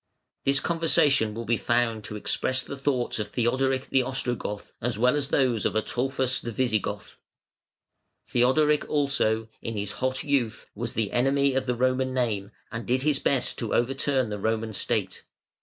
vii., 43.] This conversation will be found to express the thoughts of Theodoric the Ostrogoth, as well as those of Ataulfus the Visigoth, Theodoric also, in his hot youth, was the enemy of the Roman name and did his best to overturn the Roman State.